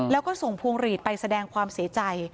แล้วก็ส่งพวงหลีดไปแสดงความเสียใจ